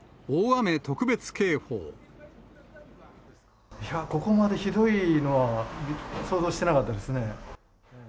いや、ここまでひどいのは想像してなかったですね。